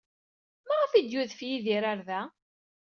Maɣef ay d-yudef Yidir ɣer da?